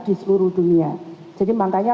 di seluruh dunia jadi makanya